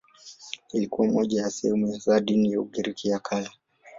Ilikuwa moja ya sehemu za dini ya Ugiriki ya Kale.